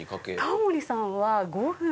タモリさんは５分。